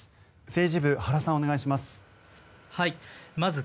政治部、原さんお願いします。